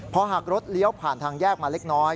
พอหากรถเลี้ยวผ่านทางแยกมาเล็กน้อย